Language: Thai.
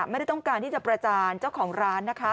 ไม่ได้ต้องการที่จะประจานเจ้าของร้านนะคะ